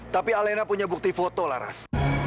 tapi alena punya bukti foto laras